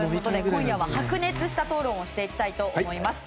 今夜は白熱した討論をしていきたいと思います。